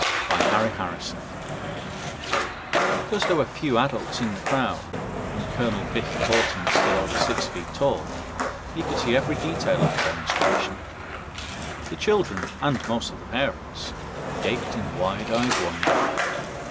BY HARRY HARRISON [Illustration: SHOP] Because there were few adults in the crowd, and Colonel "Biff" Hawton stood over six feet tall, he could see every detail of the demonstration. The children and most of the parents gaped in wide eyed wonder.